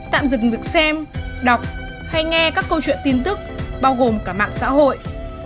một mươi ba tạm dừng việc xem đọc hay nghe các câu chuyện tin tức bao gồm cả mạng xã hội